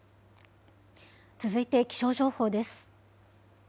続いて気象情報です。